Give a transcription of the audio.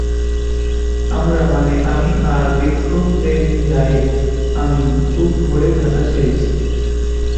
আমরা মানে আমি আর বৃক্ষপ্রেমী যায়েদ আমীন খুব ভোরে ঢাকা ছেড়েছি।